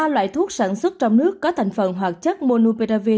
ba loại thuốc sản xuất trong nước có thành phần hoạt chất monupravi